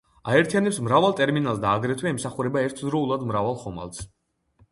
აერთიანებს მრავალ ტერმინალს და აგრეთვე ემსახურება ერთდროულად მრავალ ხომალდს.